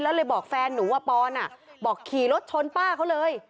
แล้วเลยบอกแฟนหนูว่าปอนบอกขี่รถชนป้าเขาเลย